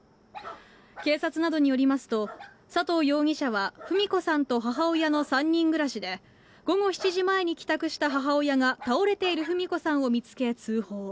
警察などによりますと、佐藤容疑者はフミ子さんと母親の３人暮らしで、午後７時前に帰宅した母親が、倒れているフミ子さんを見つけ通報。